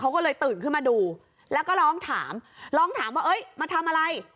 เขาก็เลยตื่นขึ้นมาดูแล้วก็ร้องถามร้องถามว่าเอ้ยมาทำอะไร